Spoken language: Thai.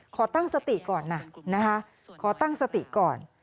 ขอตั้งสติก่อนนะนะคะขอตั้งสติก่อน